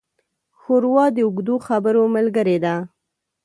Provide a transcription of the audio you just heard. ښوروا د اوږدو خبرو ملګري ده.